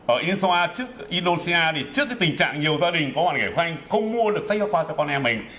ở indonesia thì trước cái tình trạng nhiều gia đình có hoàn cảnh không mua được sách giáo khoa cho con em mình